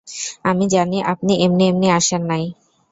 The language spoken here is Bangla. আমি জানি আপনি এমনি এমনি আসেন নাই।